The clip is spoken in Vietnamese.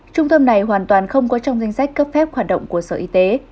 trung tâm này hoàn toàn không có trong danh sách cấp phép hoạt động của sở y tế